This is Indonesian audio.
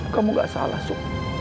kamu nggak salah so